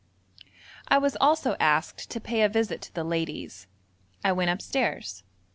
I was also asked to pay a visit to the ladies. I went upstairs.